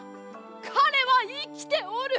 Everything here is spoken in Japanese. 彼は生きておる！